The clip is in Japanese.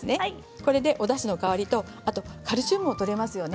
これでおだしの香りとカルシウムがとれますよね。